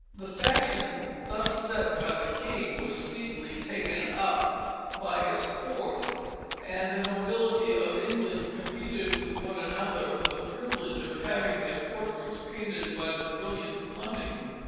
The fashion thus set by the king was speedily taken up by his Court, and the nobility of England competed with one another for the privilege of having their portraits painted by the brilliant Fleming.